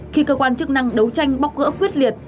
khi cơ quan chức năng đấu tranh bóc gỡ quyết liệt